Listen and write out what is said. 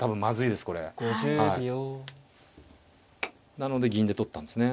なので銀で取ったんですね。